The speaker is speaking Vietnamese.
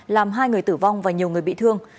làm hai người tử vong và nhiều người bị thương